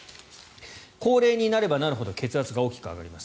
高齢になればなるほど血圧が大きく上がります。